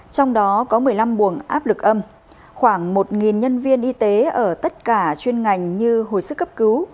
trong đó có một mươi năm buồng áp lực âm khoảng một nhân viên y tế ở tất cả chuyên ngành như hồi sức cấp cứu